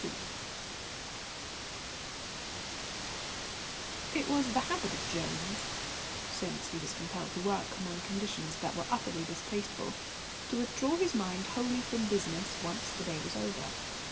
II It was the habit of Jones, since he was compelled to work among conditions that were utterly distasteful, to withdraw his mind wholly from business once the day was over.